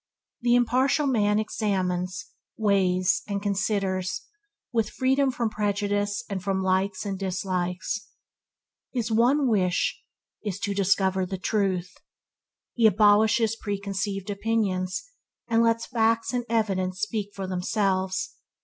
The impartial man examines, weighs, and considers, with freedom from prejudice and from likes and dislikes. His one wish is to discover the truth. He abolishes preconceived opinions, and lets facts and evidence speak for themselves.